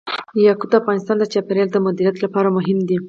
یاقوت د افغانستان د چاپیریال د مدیریت لپاره مهم دي.